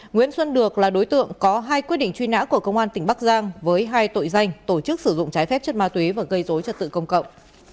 nguyễn xuân được là đối tượng có hai quyết định truy nã của công an tỉnh bắc giang với hai tội danh tổ chức sử dụng trái phép chất ma túy và gây dối trật tự công cộng